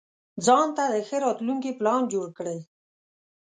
ځانته د ښه راتلونکي پلان جوړ کړئ.